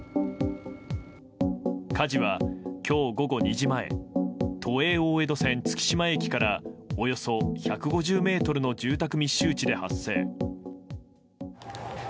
火事は今日午後２時前都営大江戸線月島駅からおよそ１５０ｍの住宅密集地で発生。